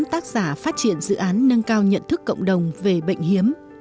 tác giả phát triển dự án nâng cao nhận thức cộng đồng về bệnh hiếm